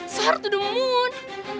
seharusnya udah moon